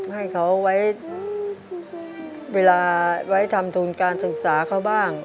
ให้เขาไว้เวลาไว้ทำทุนการศึกษาเขาบ้าง